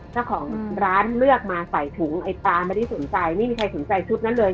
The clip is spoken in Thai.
เจ้าของร้านเลือกมาใส่ถุงไอ้ปลาไม่ได้สนใจไม่มีใครสนใจชุดนั้นเลย